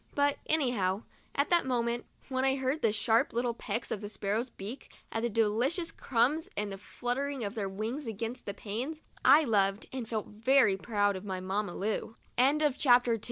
But anyhow, at that moment, when I heard the sharp little pecks of the sparrows' beaks at the delicious crumbs, and the fluttering of their wings against the panes, I loved and felt very proud of my Mamm